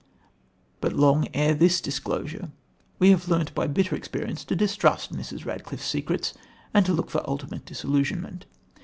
But long ere this disclosure, we have learnt by bitter experience to distrust Mrs. Radcliffe's secrets and to look for ultimate disillusionment.